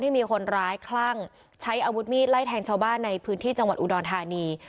มีคนร้ายคลั่งใช้อาวุธมีดไล่แทงชาวบ้านในพื้นที่จังหวัดอุดรธานี